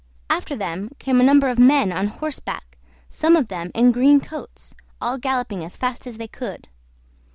After them came a number of men on horseback, some of them in green coats, all galloping as fast as they could.